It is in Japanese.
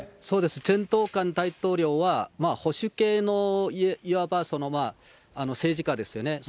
そうです、チョン・ドゥファン大統領は、保守系の、いわば政治家ですよね。